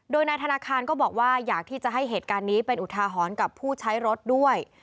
โดยนายธนาคารก็บอกว่าอยากที่จะให้เหตุการณ์นี้เป็นอุทาหรณ์กับผู้ใช้รถด้วย